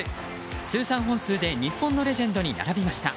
通算本数で日本のレジェンドに並びました。